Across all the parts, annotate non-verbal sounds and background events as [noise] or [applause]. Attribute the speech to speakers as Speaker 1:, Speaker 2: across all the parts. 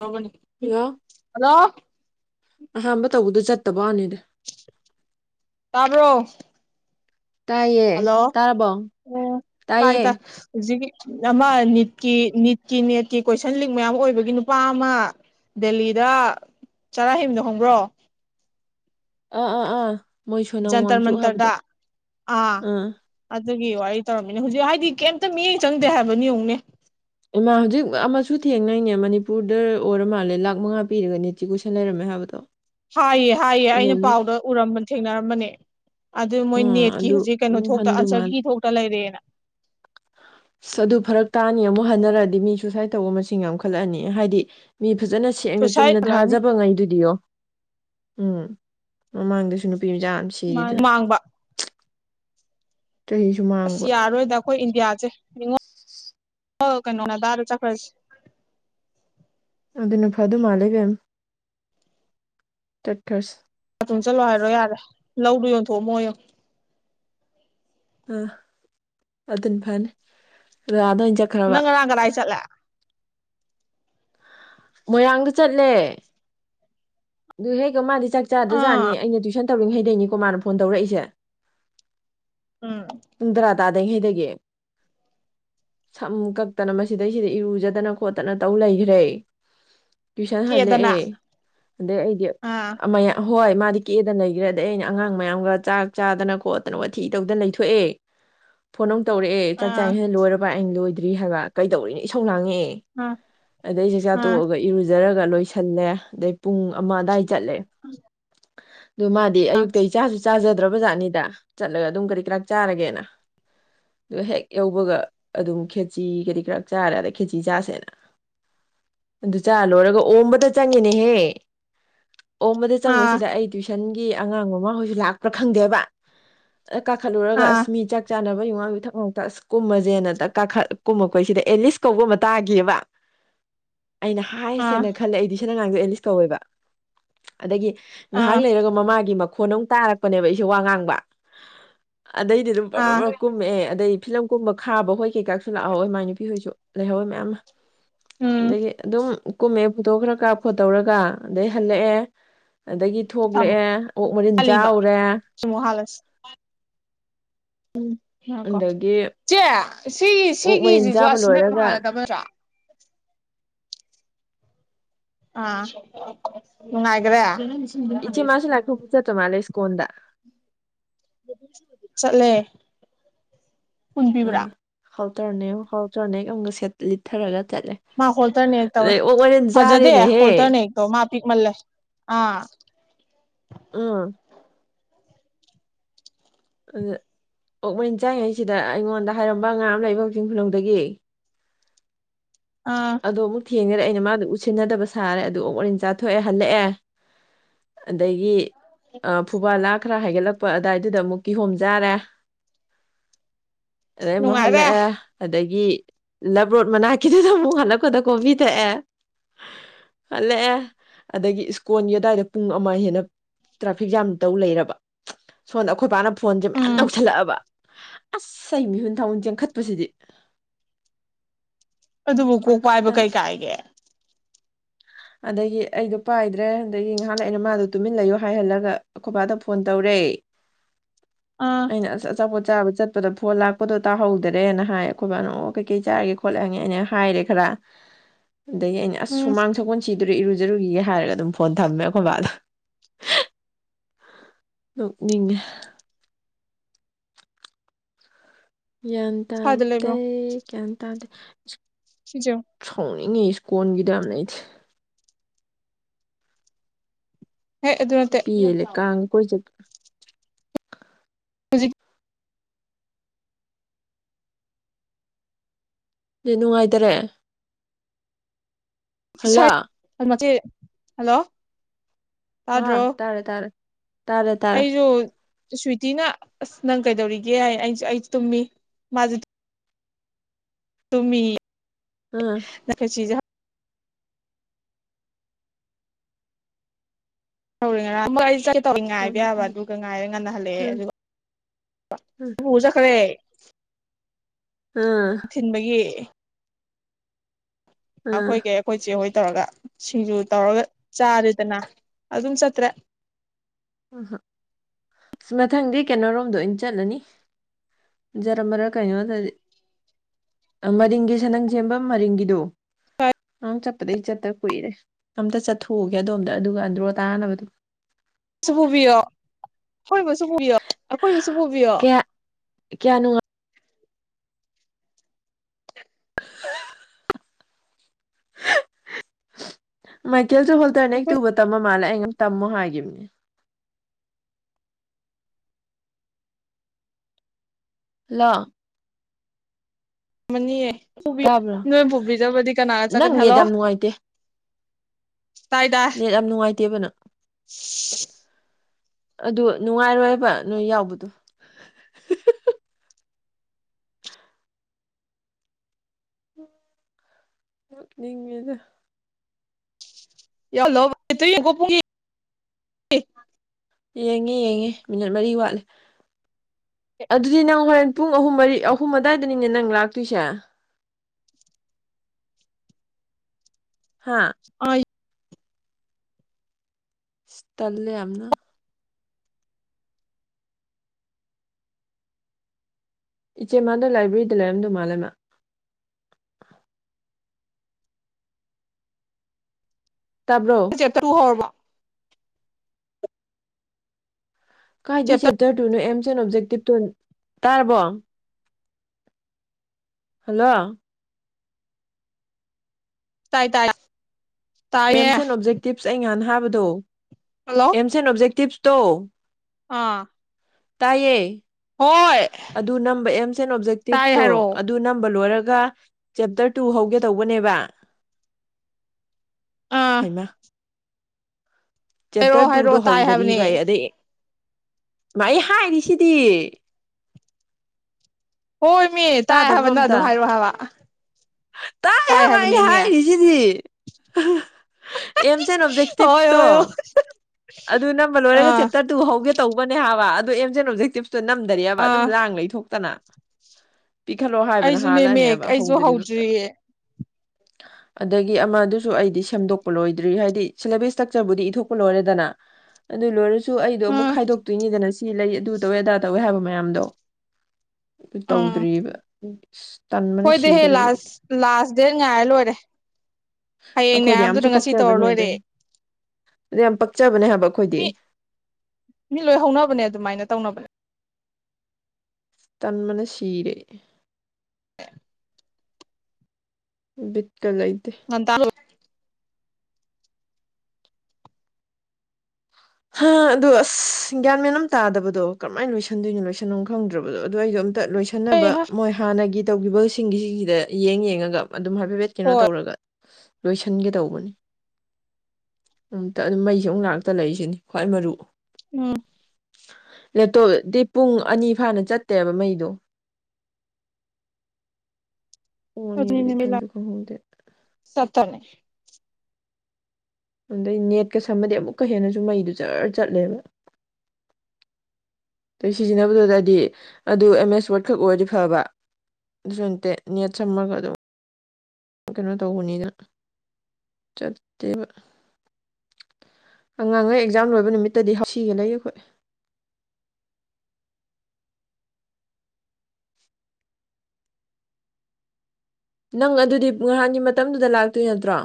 Speaker 1: [unintelligible]
Speaker 2: hello
Speaker 1: hello
Speaker 2: ꯑꯍꯥꯟꯕ ꯇꯧꯕꯗꯣ ꯆꯠꯇꯕꯩ ꯋꯥꯅꯤꯗ
Speaker 1: ꯇꯥꯕꯔꯣ ꯍꯜꯂꯣ
Speaker 2: ꯇꯥꯏꯌꯦ ꯇꯥꯔꯕꯣ
Speaker 1: ꯎꯝ ꯇꯥꯏ ꯇꯥꯏ
Speaker 2: ꯇꯥꯏꯌꯦ
Speaker 1: ꯍꯧꯖꯤꯛꯀꯤ ꯑꯃ ꯅꯤꯠꯀꯤ ꯅꯤꯠꯀꯤ ꯅꯦꯠꯀꯤ ꯀꯣꯏꯁꯟ ꯂꯤꯛ ꯃꯌꯥꯝ ꯑꯣꯏꯕꯒꯤ ꯅꯨꯄꯥ ꯑꯃ ꯗꯦꯜꯂꯤꯗ ꯆꯔꯥ ꯍꯦꯟꯕꯗꯣ ꯈꯪꯕ꯭ꯔꯣ
Speaker 2: ꯑꯥ ꯑꯥ ꯑꯥ ꯃꯣꯏ ꯁꯣꯏꯅꯥꯝ
Speaker 1: ꯖꯟꯇꯔ
Speaker 2: ꯋꯥꯡꯆꯣꯛ ꯍꯥꯏꯕꯗꯣ
Speaker 1: ꯃꯟꯇꯔꯗ
Speaker 2: ꯑꯥ
Speaker 1: ꯑꯗꯨꯒꯤ ꯋꯥꯔꯤ ꯇꯧꯔꯝꯃꯤꯅꯦ ꯍꯧꯖꯤꯛ ꯍꯥꯏꯗꯤ ꯀꯩꯝꯇ ꯃꯤꯠꯌꯦꯡ ꯆꯪꯗꯦ ꯍꯥꯏꯕꯅꯤ ꯌꯦꯡꯎꯅꯦ
Speaker 2: ꯏꯃꯥ ꯍꯧꯖꯤꯛ ꯑꯃꯁꯨ ꯊꯦꯡꯅꯩꯅꯦ ꯃꯅꯤꯄꯨꯔꯗ ꯑꯣꯏꯔ ꯃꯥꯜꯂꯦ ꯂꯥꯛ ꯃꯉꯥ ꯄꯤꯔꯒ ꯅꯤꯠꯀꯤ ꯀꯣꯏꯁꯟ ꯂꯩꯔꯝꯃꯦ ꯍꯥꯏꯕꯗꯣ
Speaker 1: ꯍꯥꯏꯌꯦ ꯍꯥꯏꯌꯦ
Speaker 2: ꯑꯗꯨ
Speaker 1: ꯑꯩꯅ
Speaker 2: ꯑꯃꯨꯛ
Speaker 1: ꯄꯥꯎꯗ ꯎꯔꯝꯕ ꯊꯦꯡꯅꯔꯝꯕꯅꯦ ꯑꯗꯨ ꯃꯣꯏ
Speaker 2: ꯑꯥ
Speaker 1: ꯅꯦꯠꯀꯤ
Speaker 2: ꯑꯗꯨ
Speaker 1: ꯍꯧꯖꯤꯛ ꯀꯩꯅꯣ
Speaker 2: ꯑꯃꯨꯛ
Speaker 1: ꯊꯣꯛꯇ
Speaker 2: ꯍꯟꯗꯨ ꯃꯥꯜꯂꯦ
Speaker 1: ꯑꯜꯁꯔꯀꯤ ꯊꯣꯛꯇ ꯂꯩꯔꯦꯅ
Speaker 2: ꯑꯁ ꯑꯗꯨ ꯐꯔꯛ ꯇꯥꯅꯤ ꯑꯃꯨꯛ ꯍꯟꯅꯔꯛꯑꯗꯤ ꯃꯤ ꯁꯨꯁꯥꯏꯠ ꯇꯧꯕ ꯃꯁꯤꯡ ꯌꯥꯝꯈꯠꯂꯛꯑꯅꯤ ꯍꯥꯏꯗꯤ ꯃꯤ ꯐꯖꯅ ꯁꯦꯡꯅ
Speaker 1: ꯁꯨꯁꯥꯏꯠ
Speaker 2: ꯆꯨꯝꯅ
Speaker 1: ꯍꯜꯂꯛꯑꯅꯤ
Speaker 2: ꯊꯥꯖꯕꯉꯩꯗꯨꯗꯤꯌꯣ ꯎꯝ ꯃꯃꯥꯡꯗꯁꯨ ꯅꯨꯄꯤ ꯃꯆꯥ ꯃꯥ
Speaker 1: ꯃꯥꯡꯕ
Speaker 2: ꯆꯍꯤ ꯁꯨꯃꯥꯡ
Speaker 1: ꯑꯁ ꯌꯥꯔꯔꯣꯏꯗ ꯑꯩꯈꯣꯏ ꯏꯟꯗꯤꯌꯥꯁꯦ ꯉꯣꯜ ꯀꯩꯅꯣꯅ ꯗꯥꯗ ꯆꯠꯈ꯭ꯔꯁꯦ
Speaker 2: ꯑꯗꯨꯅ ꯐꯥꯗ ꯃꯥꯜꯂꯦ ꯃꯦꯝ ꯆꯠꯈꯔꯁꯦ
Speaker 1: ꯇꯨꯝ ꯆꯠꯂꯣ ꯍꯥꯏꯔꯣ ꯌꯥꯔꯦ ꯂꯧꯗꯣ ꯌꯣꯟꯊꯣꯛꯑꯝꯃꯣ ꯌꯣ
Speaker 2: ꯑ ꯑꯗꯨꯅ ꯐꯅꯦ ꯑ ꯑ ꯆ
Speaker 1: ꯅꯪ ꯉꯔꯥꯡ ꯀꯗꯥꯏ ꯆꯠꯂꯦ
Speaker 2: ꯃꯣꯏꯔꯥꯡꯗ ꯆꯠꯂꯦ ꯂꯨꯍꯦꯟ ꯗꯣ ꯃꯥꯗꯤ ꯆꯥꯛ ꯆꯥꯗꯖꯥꯠꯅꯤ
Speaker 1: ꯑꯥ
Speaker 2: ꯑꯩꯅ ꯇꯨꯏꯁꯟ ꯇꯧꯔꯤꯉꯩꯗꯩꯅꯤꯀꯣ ꯃꯥꯅ ꯐꯣꯟ ꯇꯧꯔꯛꯏꯁꯦ
Speaker 1: ꯎꯝ
Speaker 2: ꯄꯨꯡ ꯇꯔꯥ ꯇꯥꯗꯉꯩꯗꯒꯤ ꯁꯝ ꯀꯛꯇꯅ ꯃꯁꯤꯗꯩꯁꯤꯗ ꯏꯔꯨꯖꯗꯅ ꯈꯣꯠꯇꯅ ꯇꯧ ꯂꯩꯈ꯭ꯔꯦ ꯇꯨꯏꯁꯟ
Speaker 1: ꯀꯦꯗꯅ
Speaker 2: ꯍꯜꯂꯛꯑꯦ ꯑꯗꯩ ꯑꯩꯗꯤ
Speaker 1: ꯑꯥ
Speaker 2: ꯑꯃ ꯑꯍꯣꯏ ꯃꯥꯗꯤ ꯀꯦꯗꯅ ꯂꯩꯈ꯭ꯔꯦ ꯑꯗꯩ ꯑꯩꯅ ꯑꯉꯥꯡ ꯃꯌꯥꯝꯒ ꯆꯥꯛ ꯆꯥꯗꯅ ꯈꯣꯠꯇꯅ ꯋꯥꯊꯤ ꯇꯧꯗꯅ ꯂꯩꯊꯣꯛꯑꯦ ꯐꯣꯟ ꯑꯃꯨꯛ ꯇꯧꯔꯛꯑꯦ ꯆꯥꯛ
Speaker 1: ꯑꯥ
Speaker 2: ꯆꯥꯢꯉꯩ ꯂꯣꯢꯔꯕ ꯑꯩꯅ ꯂꯣꯡꯗꯔꯤ ꯍꯥꯏꯕ ꯀꯩꯗꯧꯔꯤꯅ ꯏꯁꯧ ꯂꯥꯡꯉꯦ
Speaker 1: ꯑꯥ
Speaker 2: ꯑꯗꯩ ꯆꯥꯛꯆꯥꯥ ꯇꯣꯛꯑꯒ ꯏꯔꯨꯖꯔꯒ ꯂꯣꯏꯁꯜꯂꯦ ꯑꯗꯩ ꯄꯨꯡ ꯑꯃ ꯑꯗꯥꯏ ꯆꯠꯂꯦ ꯑꯗꯨ ꯃꯥꯗꯤ ꯑꯌꯨꯛꯇꯏ ꯆꯥ ꯆꯥꯖꯗ꯭ꯔ ꯕꯖꯥꯠꯅꯤꯗ ꯆꯠꯂꯒ ꯑꯗꯨꯝ ꯀꯔꯤ ꯀꯔꯥꯛ ꯆꯥꯔꯒꯦꯅ ꯑꯗꯣ ꯍꯦꯛ ꯌꯧꯕꯒ ꯑꯗꯨꯝ ꯈꯦꯆꯤ ꯀꯗꯤ ꯈꯔ ꯆꯥꯔꯦ ꯑꯗ ꯈꯦꯆꯤ ꯆꯥꯁꯦꯅ ꯑꯗꯨ ꯆꯥ ꯂꯣꯏꯔꯒ ꯑꯣꯝꯕꯇ ꯆꯪꯉꯦꯅꯦꯍꯦ ꯑꯣꯝꯕꯗ
Speaker 1: ꯑꯥ ꯑꯥ
Speaker 2: ꯆꯪꯕꯁꯤꯗ ꯑꯩ ꯇ꯭ꯣꯏꯁꯟꯒꯤ ꯑꯉꯥꯡ ꯃꯃꯥ ꯍꯣꯏꯁꯨ ꯂꯥꯛꯄ꯭ꯔꯥ ꯈꯪꯗꯦꯕ ꯀꯥꯈꯠꯂꯨꯔꯒ
Speaker 1: ꯑꯥ
Speaker 2: ꯑꯁꯃꯤ ꯆꯥꯛ ꯆꯥꯟꯅꯕ ꯌꯨꯉꯥꯡ ꯌꯨ ꯊꯛ ꯉꯥꯛꯇ ꯑꯁ ꯀꯨꯝꯃꯁꯦꯅꯗ ꯀꯥꯈꯠ ꯀꯨꯝꯃꯈꯣꯏ ꯁꯤꯗ ꯑꯦꯂꯤꯁ ꯀꯧꯕ ꯑꯃ ꯇꯥꯈꯤꯕ [unintelligible] ꯑꯩꯅ
Speaker 1: ꯑꯥ
Speaker 2: ꯍꯥꯏꯁꯦꯅ ꯈꯜꯂꯦ ꯑꯩꯗꯤ ꯁꯤꯅꯉꯥꯡꯁꯨ ꯑꯦꯂꯤꯁ ꯀꯧꯋꯦꯕ ꯑꯗꯒꯤ ꯉꯥꯏꯍꯥꯛ
Speaker 1: ꯑꯥ
Speaker 2: ꯂꯩꯔꯒ ꯃꯃꯥꯒꯤ ꯃꯈꯣꯟ ꯑꯃꯨꯛ ꯇꯥꯔꯛꯄꯅꯦꯕ ꯑꯩꯁꯦ ꯋꯥ ꯉꯥꯡꯕ ꯑꯗꯩꯗꯤ ꯑꯗꯨꯝ
Speaker 1: ꯑꯥ
Speaker 2: ꯀꯨꯝꯃꯛꯑꯦ ꯑꯗꯩ ꯐꯤꯂꯝ ꯀꯨꯝꯕ ꯈꯥꯕ ꯍꯣꯏ ꯀꯩꯀꯥꯁꯨ ꯂꯥꯛꯍꯧꯋꯣꯏ ꯃꯥꯏ ꯅꯨꯄꯤ ꯍꯣꯏꯁꯨ ꯂꯩꯍꯧꯋꯣꯏ ꯃꯌꯥꯝ ꯑꯃ
Speaker 1: ꯎꯝ
Speaker 2: ꯑꯗꯒꯤ ꯑꯗꯨꯝ ꯀꯨꯝꯃꯦ ꯄꯨꯊꯣꯛꯈ꯭ꯔ ꯀꯥꯞ ꯈꯣꯠꯇꯧꯔ ꯀ ꯑꯗꯩ ꯍꯜꯂꯛꯑꯦ ꯑꯗꯨꯗꯒꯤ ꯊꯣꯛꯂꯛꯑꯦ ꯑꯣꯛ ꯃꯔꯤꯟ ꯆꯎꯔꯦ
Speaker 1: ꯃ ꯍꯥꯜꯂꯁ ꯎꯝ ꯑ ꯀꯣ
Speaker 2: ꯑꯗꯒꯤ
Speaker 1: ꯆꯦ ꯁꯤꯒꯤ
Speaker 2: ꯑꯣꯛ ꯃꯔꯤꯟ
Speaker 1: ꯁꯤꯒꯤꯁꯤꯁꯨ
Speaker 2: ꯆꯥꯕ
Speaker 1: ꯑꯁꯤꯅ ꯑꯗꯨꯝ
Speaker 2: ꯂꯣꯏꯔꯒ
Speaker 1: ꯍꯥꯟꯅꯗꯕ ꯅꯠꯇ꯭ꯔꯣ ꯑ ꯅꯨꯡꯉꯥꯏꯒ꯭ꯔꯦ
Speaker 2: ꯏꯆꯦ ꯃꯥꯁꯨ ꯂꯥꯢꯈꯨꯔꯨꯝꯕ ꯆꯠ ꯇꯧ ꯃꯥꯂꯦ ꯏꯁꯀꯣꯟꯗꯥ
Speaker 1: ꯆꯠꯂꯦ ꯀꯨꯟ
Speaker 2: ꯑ
Speaker 1: ꯄꯤꯕ꯭ꯔꯥ
Speaker 2: ꯍꯥꯎꯇ꯭ꯔꯅꯦ ꯍꯥꯎꯇ꯭ꯔꯅꯦ ꯂꯤꯠꯊꯔꯒ ꯆꯠꯂꯦ
Speaker 1: ꯃꯥ
Speaker 2: ꯑꯗꯩ
Speaker 1: ꯍꯣꯜꯇꯔꯅꯦꯛꯇꯧꯔꯦ
Speaker 2: ꯑꯣꯛ ꯃꯔꯤꯟ
Speaker 1: ꯐꯖꯗꯦ
Speaker 2: ꯆꯥꯔꯦꯅꯦꯍꯦ
Speaker 1: ꯍꯣꯜꯇꯔꯅꯍꯛꯇꯣ ꯃꯥ ꯄꯤꯛꯃꯜꯂꯦ ꯑꯥ
Speaker 2: ꯎꯝ ꯑꯗꯨ ꯑꯣꯛ ꯃꯩ ꯆꯥꯏꯉꯩꯁꯤꯗ ꯑꯩꯉꯣꯟꯗ ꯍꯥꯏꯔꯝꯕ ꯑꯉꯥꯡ ꯑꯃ ꯂꯩꯕ ꯀꯛꯆꯤꯡ ꯈꯨꯅꯧꯗꯒꯤ
Speaker 1: ꯑꯥ
Speaker 2: ꯑꯗꯣ ꯑꯃꯨꯛ ꯊꯦꯡꯅꯔꯦ ꯑꯩꯅ ꯃꯥꯗꯣ ꯎꯁꯤꯟꯅꯗꯕ ꯁꯥꯔꯦ ꯑꯗꯨ ꯑꯃꯨꯛ ꯑꯣꯛ ꯃꯔꯤꯟ ꯆꯥꯊꯣꯛꯑꯦ ꯍꯜꯂꯛꯑꯦ ꯑꯗꯒꯤ ꯐꯨꯕꯥꯂꯥ ꯈꯔ ꯍꯥꯏꯒꯠꯂꯛꯄ ꯑ ꯑꯗꯨꯗꯥꯏꯗꯨꯗ ꯑꯃꯨꯛ ꯀꯤꯍꯣꯝꯖꯥꯔꯦ ꯑꯗꯩ ꯑꯃꯨꯛ
Speaker 1: ꯅꯨꯡꯉꯥꯏꯔꯦ
Speaker 2: ꯍꯜꯂꯛꯑꯦ ꯑꯗꯒꯤ ꯂꯕꯔꯣꯠ ꯃꯅꯥꯛꯀꯤꯗꯨꯗ ꯑꯃꯨꯛ ꯍꯜꯂꯛꯄꯗ ꯀꯣꯝꯕꯤ ꯊꯛꯑꯦ ꯍꯜꯂꯛꯑꯦ ꯑꯗꯒꯤ ꯏꯁꯀꯣꯟꯜꯒꯤ ꯑꯗꯨꯋꯥꯏꯗ ꯄꯨꯡ ꯑꯃ ꯍꯦꯟꯅ ꯇ꯭ꯔꯥꯐꯤꯛ ꯖꯥꯝ ꯇꯧ ꯂꯩꯔꯕ ꯁꯣꯝꯗ ꯑꯩꯈꯣꯏ ꯄꯥꯅ ꯐꯣꯟꯁꯦ ꯃꯌꯥꯝ
Speaker 1: ꯎꯝ
Speaker 2: ꯇꯧꯁꯜꯂꯛꯑꯕ ꯑꯁ ꯑꯩ ꯃꯤꯍꯨꯟ ꯊꯥꯎꯟ ꯆꯦꯟꯈꯠꯄꯁꯤꯗꯤ
Speaker 1: ꯑꯗꯨꯕꯨ ꯀꯣꯛ ꯄꯥꯏꯕ ꯀꯩ ꯀꯥꯏꯒꯦ
Speaker 2: ꯑ ꯑꯗꯒꯤ ꯑꯩꯗꯣ ꯄꯥꯏꯗ꯭ꯔꯦ ꯑꯗꯒꯤ ꯉꯥꯏꯍꯥꯛꯂ ꯑꯩꯅ ꯃꯥꯗꯣ ꯇꯨꯃꯤꯟ ꯂꯩꯌꯣ ꯍꯥꯏꯍꯜꯂꯒ ꯑꯩꯈꯣꯏꯕꯥꯗ ꯐꯣꯟ ꯇꯧꯔꯦ
Speaker 1: ꯑꯥ
Speaker 2: ꯑꯩꯅ ꯑꯁ ꯑꯆꯥꯄꯣꯠ ꯆꯥꯕ ꯆꯠ ꯆꯣꯠꯄꯗ ꯐꯣꯟ ꯂꯥꯛꯄꯗꯣ ꯇꯥꯍꯧꯗꯔꯦꯅ ꯍꯥꯏ ꯑꯩꯈꯣꯏꯕ ꯑꯅꯣꯛ ꯀꯩꯀꯩ ꯆꯥꯔꯒꯦ ꯈꯣꯠꯂꯛꯑꯅꯤ ꯑꯩꯅ ꯍꯥꯏꯔꯦ ꯈꯔ ꯑꯗꯒꯤ ꯑꯩꯅ ꯑꯁ
Speaker 1: ꯎꯝ
Speaker 2: ꯁꯨꯃꯥꯡ ꯁꯒꯜ ꯁꯤꯗꯨꯔ ꯏꯔꯨꯖꯔꯨꯈꯤꯒꯦ ꯍꯥꯏꯔꯒ ꯑꯗꯨꯝ ꯐꯣꯟ ꯊꯝꯃꯦ ꯑꯩꯈꯣꯏ ꯕꯥꯗꯣ ꯎ ꯃꯤꯉ ꯒ꯭ꯌꯥꯟ
Speaker 1: ꯁ꯭ꯋꯥꯏꯗ ꯂꯩꯕ꯭ꯔꯣ
Speaker 2: ꯇꯥꯗꯩ ꯭ꯌꯥꯟ ꯇꯥꯗꯩ
Speaker 1: ꯁꯤꯖꯣ
Speaker 2: ꯁꯥꯎꯅꯤꯡꯉꯤ ꯏꯁꯀꯣꯟꯒꯤꯗ ꯌꯥꯝꯅ ꯑꯩꯗꯤꯦ
Speaker 1: ꯍꯦꯛ ꯑꯗꯨꯅ
Speaker 2: ꯄꯤꯌꯦꯂꯦ ꯀꯥꯡ ꯀꯣꯏꯁꯠ
Speaker 1: ꯍꯧꯖꯤꯛ
Speaker 2: ꯅ ꯅꯨꯡꯉꯥꯏꯇꯔꯦ
Speaker 1: ꯃꯆ
Speaker 2: ꯍꯜꯂꯣ
Speaker 1: ꯍꯜꯂꯣ
Speaker 2: ꯍ ꯇꯥꯔꯦ ꯇꯥꯔꯦ ꯇꯥꯔꯦ ꯇꯥꯔꯦ
Speaker 1: ꯑꯩꯁꯨ ꯁ꯭ꯋꯤꯇꯤꯅ ꯑꯁ ꯅꯪ ꯀꯩꯗꯧꯔꯤꯒꯦ ꯑꯩꯁꯨ ꯑꯩ ꯇꯨꯝꯃꯤ ꯃꯥꯁꯨ ꯇꯨꯝꯃꯤ
Speaker 2: ꯎꯝ
Speaker 1: ꯅꯣꯏꯁꯤꯖꯦ ꯍ ꯇꯧ
Speaker 2: ꯑꯥ
Speaker 1: ꯉꯥꯏꯕ ꯌꯥꯕ ꯑꯗꯨꯒ ꯉꯥꯏꯔꯒ ꯉꯥꯟꯅꯍꯜꯂꯛꯑꯦ ꯑꯗꯨꯒ
Speaker 2: ꯑꯥ
Speaker 1: ꯆꯠꯈ꯭ꯔꯦ
Speaker 2: ꯑꯝ
Speaker 1: ꯁꯤꯟꯕꯒꯤ
Speaker 2: ꯑꯥ
Speaker 1: ꯑꯈꯣꯏ ꯀꯩ ꯍꯣꯏꯁꯦ ꯍꯣꯏ ꯇꯧꯔꯒ ꯁꯤꯡꯖꯨ ꯇꯧꯔꯒ ꯆꯥꯔꯦꯗꯅ ꯑꯗꯨꯝ ꯆꯠꯇ꯭ꯔꯦ
Speaker 2: ꯎꯝꯍ ꯃꯊꯪꯗꯤ ꯀꯩꯅꯔꯣꯝꯗ ꯑꯣꯏꯅ ꯆꯠꯂꯅꯤ ꯖꯔꯝꯝꯕꯔ ꯀꯩꯅꯣ ꯑꯗꯨꯗꯤ ꯃꯔꯤꯡꯒꯤ ꯁꯅꯪ ꯁꯦꯝꯕ ꯃꯔꯤꯡꯒꯤꯗꯣ ꯅꯪ ꯆꯠꯄꯗꯒꯤꯩ ꯆꯠꯇ ꯀꯨꯏꯔꯦ ꯑꯝꯇ ꯆꯠꯊꯣꯛꯎꯒꯦ ꯑꯗꯣꯝꯗ ꯑꯗꯨꯒ ꯑꯟꯗ꯭ꯔꯣ ꯇꯥꯅꯕꯗꯣ
Speaker 1: ꯁ ꯄꯨꯕꯤꯌꯣ ꯑꯩꯈꯣꯏꯕꯁꯨ ꯄꯨꯕꯤꯌꯣ ꯑꯩꯈꯣꯏꯕꯨꯁꯨ ꯄꯨꯕꯤꯌꯣ
Speaker 2: ꯀꯌꯥ ꯀꯌꯥ ꯅꯨꯡꯉ ꯃꯥꯏꯀꯦꯜꯁꯨ ꯍꯣꯜꯇꯔꯅꯦ ꯍꯦꯛ ꯇꯨꯕ ꯇꯝꯃ ꯃꯥꯜꯂꯦ ꯑꯩꯉꯝ ꯇꯝꯃꯣ ꯍꯥꯏꯈꯤꯕꯅꯦ [inaudible]
Speaker 1: ꯅꯤꯌꯦꯕꯤ
Speaker 2: ꯇꯥꯕ꯭ꯔꯣ
Speaker 1: ꯅꯣꯏ ꯄꯨꯕꯤꯗꯕꯗꯤ ꯀꯅꯥꯒ
Speaker 2: ꯅꯪ
Speaker 1: ꯆꯠꯀꯅꯤ
Speaker 2: ꯅꯦꯠ
Speaker 1: ꯍꯜꯂꯣ
Speaker 2: ꯌꯥꯝ ꯅꯨꯡꯉꯥꯏꯇꯦ
Speaker 1: ꯇꯥꯏ ꯇꯥꯏ
Speaker 2: ꯅꯦꯠ ꯌꯥꯝ ꯅꯨꯡꯉꯥꯏꯇꯦꯕꯅ ꯑꯗꯨ ꯅꯨꯡꯉꯥꯏꯔꯣꯏꯕ ꯅꯣꯏ ꯌꯥꯎꯕꯗꯣ ꯎ ꯌꯦꯉꯗ
Speaker 1: ꯌꯂꯣꯣꯨꯡ
Speaker 2: ꯌꯦꯡꯉꯦ ꯌꯦꯡꯉꯦ ꯃꯤꯅꯠ ꯃꯔꯤ ꯋꯥꯠꯂꯦ ꯑꯗꯨꯗꯤ ꯅꯪ ꯍꯣꯔꯦꯟ ꯄꯨꯡ ꯑꯍꯨꯝ ꯃꯔꯤ ꯑꯍꯨꯝ ꯑꯗꯨꯋꯥꯏꯗꯅꯤꯅꯦ ꯅꯪ ꯂꯥꯛꯇꯣꯏꯁꯦ ꯍꯥꯥ
Speaker 1: ꯑ
Speaker 2: ꯇꯔ ꯂ ꯌꯥꯝꯅ ꯏꯆꯦ ꯃꯥꯗ ꯂꯥꯏꯕ꯭ꯔꯦꯔꯤꯗ ꯂꯩꯔꯝꯗꯧ ꯃꯥꯜꯂꯃ ꯇꯥꯕ꯭ꯔꯣ
Speaker 1: ꯇꯨ ꯍꯔꯕ
Speaker 2: ꯀꯥꯏꯗ ꯆꯦꯞꯇꯔ ꯇꯨꯅꯣ ꯑꯦꯝꯁ ꯑꯦꯟ ꯑꯣꯞꯖꯦꯛꯇꯤꯞꯇꯨ ꯇꯥꯔꯕꯣ ꯍꯜꯂꯣ
Speaker 1: ꯇꯥꯏ ꯇꯥꯏ ꯇꯥꯏꯌꯦ
Speaker 2: ꯑꯦꯝꯁ ꯑꯦꯟ ꯑꯣꯞꯖꯦꯛꯇꯤꯞꯁ ꯑꯩ ꯉꯍꯥꯟ ꯍꯥꯏꯕꯗꯣ
Speaker 1: ꯍꯜꯂꯣ
Speaker 2: ꯑꯦꯝꯁ ꯑꯦꯟ ꯑꯣꯞꯖꯦꯛꯇꯤꯞꯁꯇꯣ
Speaker 1: ꯑꯥ
Speaker 2: ꯇꯥꯏꯌꯦ
Speaker 1: ꯍꯣꯏ
Speaker 2: ꯑꯗꯨ ꯅꯝꯕ ꯑꯦꯝꯁ ꯑꯦꯟ
Speaker 1: ꯇꯥꯏ
Speaker 2: ꯑꯣꯞꯖꯦꯛꯇꯤꯞꯇꯣ
Speaker 1: ꯍꯥꯏꯔꯛꯑꯣ
Speaker 2: ꯑꯗꯨ ꯅꯝꯕ ꯂꯣꯏꯔꯒ ꯆꯦꯞꯇꯔ ꯇꯨ ꯍꯧꯒꯦ ꯇꯧꯕꯅꯦꯕ
Speaker 1: ꯑꯥ
Speaker 2: ꯍꯥꯏꯃ ꯆꯦꯞꯇꯔ
Speaker 1: ꯍꯥꯏꯔꯛꯑꯣ
Speaker 2: ꯇꯨꯗꯣ
Speaker 1: ꯍꯥꯏꯔꯛꯑꯣ ꯇꯥꯏ ꯍꯥꯏꯕꯅꯦ
Speaker 2: ꯍꯧꯗꯔꯤꯕ ꯑꯩ ꯑꯗꯩ ꯃꯥꯏ ꯍꯥꯏꯔꯤꯁꯤꯗꯤ
Speaker 1: ꯍꯣꯏ ꯃꯤ ꯇꯥꯏ
Speaker 2: ꯇꯥꯗꯕ꯭ꯔꯣ
Speaker 1: ꯍꯥꯏꯕ ꯅꯪ
Speaker 2: ꯑꯝꯇ
Speaker 1: ꯑꯗꯨꯝ ꯍꯥꯏꯔꯛꯑꯣ ꯍꯥꯏꯕ
Speaker 2: ꯇꯥꯏ ꯍꯥꯏꯕ ꯑꯩ
Speaker 1: ꯍꯥꯏꯕꯅꯦ ꯃꯤ
Speaker 2: ꯍꯥꯏꯔꯤꯁꯤ ꯑꯦꯝꯁ ꯑꯦꯟ
Speaker 1: ꯍꯣꯏ
Speaker 2: ꯑꯣꯕꯖꯦꯛꯇꯤꯚꯁꯇꯣ
Speaker 1: ꯍꯣꯏ ꯍꯣꯏ
Speaker 2: ꯑꯗꯨ ꯅꯝꯕ ꯂꯣꯏꯔꯒ
Speaker 1: ꯑꯥ
Speaker 2: ꯆꯦꯞꯇꯔ ꯇꯨ ꯍꯧꯒꯦ ꯇꯧꯕꯅꯦ ꯍꯥꯏꯕ ꯑꯗꯨ ꯑꯦꯝꯖ ꯑꯦꯟ ꯑꯣꯕꯖꯦꯛꯇꯤꯞ ꯅꯝꯗꯔꯤꯕ ꯑꯗꯨꯝ
Speaker 1: ꯑꯥ
Speaker 2: ꯂꯥꯡ ꯂꯩꯊꯣꯛꯇꯅ ꯄꯤꯈꯠꯂꯣ ꯍꯥꯏꯕꯅ
Speaker 1: ꯑꯩꯁꯨꯅꯦꯃꯦ
Speaker 2: ꯍꯥꯜꯂꯛꯑꯅꯦꯕ
Speaker 1: ꯑꯩꯁꯨ
Speaker 2: ꯍꯧꯗ꯭ꯔꯤꯕꯝꯗ
Speaker 1: ꯍꯧꯗ꯭ꯔꯤꯌꯦ
Speaker 2: ꯑꯗꯒꯤ ꯑꯃ ꯑꯗꯨꯁꯨ ꯑꯩꯗꯤ ꯁꯦꯝꯗꯣꯛꯄ ꯂꯣꯏꯗ꯭ꯔꯤ ꯍꯥꯏꯗꯤ ꯁꯤꯂꯦꯕꯦꯁ ꯏꯁꯇ꯭ꯔꯛꯆꯔꯕꯨꯗꯤ ꯏꯊꯣꯛꯄ ꯂꯣꯏꯔꯦꯗꯅ ꯑꯗꯨ ꯂꯣꯏꯔꯁꯨ ꯑꯩꯗꯣ ꯑꯃꯨꯛ
Speaker 1: ꯎꯝ
Speaker 2: ꯈꯥꯏꯗꯣꯛꯇꯣꯏꯅꯤꯗꯅ ꯁꯤ ꯂꯩ ꯑꯗꯨ ꯇꯧꯋꯦ ꯑꯗꯥ ꯇꯧꯋꯦ ꯍꯥꯏꯕ ꯃꯌꯥꯝꯗꯣ ꯑꯩ ꯇꯧꯗ꯭ꯑꯔꯤꯕ ꯇꯟꯕꯅ
Speaker 1: ꯍꯣꯏꯗꯤꯍꯦ
Speaker 2: ꯁꯤꯗꯣꯔꯦꯕ
Speaker 1: ꯂꯥꯁ ꯂꯥꯁ ꯗꯦꯠ ꯉꯥꯏꯔ ꯂꯣꯏꯔꯦ ꯍꯌꯦꯡꯅꯦ
Speaker 2: ꯑꯩꯈꯣꯏꯗꯤ ꯌꯥꯝꯁꯨ
Speaker 1: ꯍꯥꯏꯕꯗꯨꯗ ꯉꯁꯤ ꯇꯧꯔ
Speaker 2: ꯄꯛꯆꯕꯅꯦ ꯑꯗꯨ
Speaker 1: ꯂꯣꯏꯔꯦ
Speaker 2: ꯑꯗꯨ ꯌꯥꯝ ꯄꯛꯆꯕꯅꯦ ꯍꯥꯏꯕ ꯑꯩꯈꯣꯏꯗꯤ
Speaker 1: ꯃꯤ ꯃꯤ ꯂꯣꯏ ꯍꯧꯅꯕꯅꯦ ꯑꯗꯨꯃꯥꯏꯅ ꯇꯧꯅꯕꯅꯦ
Speaker 2: ꯇꯟꯕꯅ ꯁꯤꯔꯦ ꯑꯩ
Speaker 1: [inaudible]
Speaker 2: ꯕꯤꯠꯀ ꯂꯩꯇꯦ
Speaker 1: ꯉꯟꯇꯥ ꯂꯣꯏ__
Speaker 2: ꯍꯥ ꯑꯗꯣ ꯑꯁ ꯒ꯭ꯌꯥꯟ ꯃꯦꯟ ꯑꯃ ꯇꯥꯗꯕꯗꯣ ꯀꯔꯝꯃꯏꯅ ꯂꯣꯏꯁꯟꯗꯣꯏꯅꯣ ꯂꯣꯏꯁꯟꯕꯥꯝ ꯈꯪꯗ꯭ꯔꯕꯗꯣ ꯑꯗꯨ ꯑꯩꯁꯨ ꯑꯝꯇꯥ ꯂꯣꯏꯁ__ ꯈꯟꯅꯕ
Speaker 1: ꯍꯣꯏ
Speaker 2: ꯃꯣꯏ ꯍꯥꯟꯅꯒꯤ ꯇꯧꯈꯤꯕꯁꯤꯡꯒꯤꯁꯤꯒꯤꯗ ꯌꯦꯡ ꯌꯦꯡꯉꯒ ꯑꯗꯨꯝ ꯍꯥꯏꯐꯦꯐꯦꯠ ꯀꯩꯅꯣ
Speaker 1: ꯍꯣꯏ
Speaker 2: ꯇꯧꯔꯒ ꯂꯣꯏꯁꯤꯟꯒꯦ ꯇꯧꯕꯅꯤ ꯑꯝꯇ ꯑꯗꯨ ꯃꯩꯁꯨ ꯑꯃꯨꯛ ꯂꯥꯛꯇ ꯂꯩꯔꯤꯁꯤꯅꯤ ꯈ꯭ꯋꯥꯏ ꯃꯔꯨ
Speaker 1: ꯎꯝ
Speaker 2: ꯂꯦꯞꯇꯣꯞꯗꯤ ꯄꯨꯡ ꯑꯅꯤ ꯐꯥꯅ ꯆꯠꯇꯦꯕ ꯃꯩꯗꯣ ꯄꯨꯡ ꯑꯅꯤꯗꯨꯗꯤ ꯈꯪꯁꯨꯨ ꯈꯪꯍꯧꯗꯦ
Speaker 1: ꯆꯠꯇꯔꯦ
Speaker 2: ꯑꯗꯩ ꯅꯦꯠꯀ ꯁꯃꯗꯤ ꯑꯃꯨꯛꯀ ꯍꯦꯟꯅꯁꯨ ꯃꯩꯗꯨ ꯖꯔ ꯆꯠꯂꯦꯕ ꯗꯩꯩ ꯁꯤꯖꯤꯟꯅꯕꯗꯨꯗꯗꯤ ꯑꯗꯨ ꯑꯦꯝ ꯑꯦꯁ ꯋꯥꯔꯗ ꯈꯛ ꯑꯣꯏꯔꯗꯤ ꯐꯕ ꯑꯗꯨꯁꯨ ꯅꯠꯇꯦ ꯅꯦꯠ ꯁꯝꯃꯒ ꯑꯗꯨꯝ ꯀꯩꯅꯣ ꯇꯧꯕꯅꯤꯅ ꯆꯠꯇꯦꯕ ꯑꯉꯥꯡꯉꯩ ꯑꯦꯛꯖꯥꯝ ꯂꯣꯏꯕ ꯅꯨꯃꯤꯠꯇꯗꯤ ꯍꯥꯎꯁꯤꯒ ꯂꯩꯌꯦ ꯑꯩꯈꯣꯏ ꯅꯪ ꯑꯗꯨꯗꯤ ꯅꯍꯥꯟꯒꯤ ꯃꯇꯝꯗꯨꯗ ꯂꯥꯛꯇꯣꯏ ꯅꯠꯇ꯭ꯔꯣ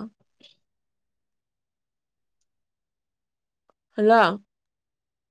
Speaker 2: ꯍꯜꯂꯣ